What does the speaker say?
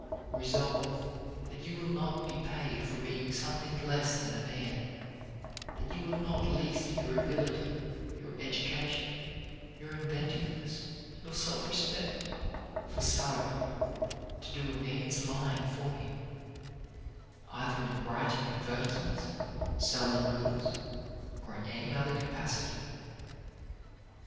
Resolve that you will not be paid for being something less than a man; that you will not lease your ability, your education, your inventiveness, your self respect, for salary, to do a man's lying for him; either in writing advertisements, selling goods, or in any other capacity.